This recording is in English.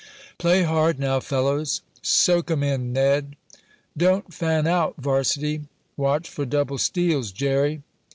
"Play hard now, fellows!" "Soak 'em in, Ned!" "Don't fan out varsity!" "Watch for double steals, Jerry!"